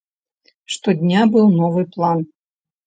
Штодня быў новы план.